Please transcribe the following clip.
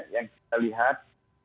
yang kita lihat